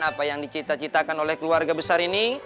apa yang dicita citakan oleh keluarga besar ini